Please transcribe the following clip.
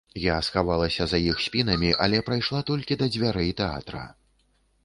Я схавалася за іх спінамі, але прайшла толькі да дзвярэй тэатра.